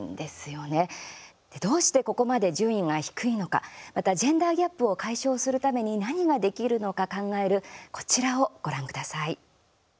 どうしてここまで順位が低いのかまたジェンダーギャップを解消するために何ができるのか考えるこちらをご覧ください。